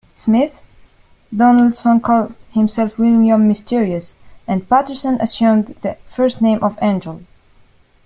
Smythe, Donaldson called himself William Mysterious, and Paterson assumed the first name of Angel.